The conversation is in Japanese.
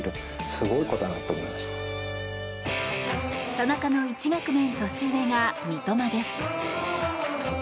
田中の１学年年上が三笘です。